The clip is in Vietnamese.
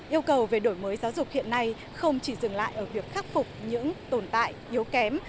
yêu cầu về đổi mới giáo dục hiện nay không chỉ dừng lại ở việc khắc phục những tồn tại yếu kém